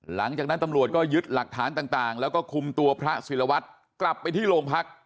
หลังจากนั้นตำรวจก็ยึดหลักฐานต่างแล้วก็คุมตัวพระศิลวัตรกลับไปที่โรงพัก